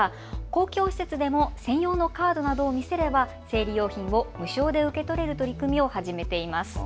公共施設でも専用のカードなどを見せれば生理用品を無償で受け取れる取り組みを始めています。